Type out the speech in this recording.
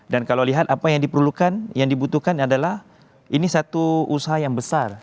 dan kalau lihat apa yang diperlukan yang dibutuhkan adalah ini satu usaha yang besar